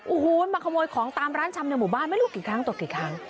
โอ้โหมาขโมยของตามร้านชำในหมู่บ้านไม่รู้กี่ครั้งต่อกี่ครั้ง